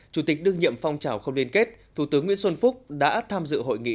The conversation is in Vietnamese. chủ tịch đương nhiệm phong trào không liên kết thủ tướng nguyễn xuân phúc đã tham dự hội nghị